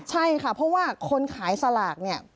ใช่ค่ะเพราะว่าคนขายสลากเนี่ย